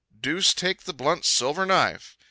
Deuce take the blunt silver knife!